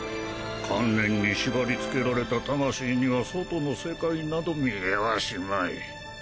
観念に縛りつけられた魂には外の世界など見えはしまい。